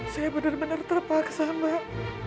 saya benar benar terpaksa mbak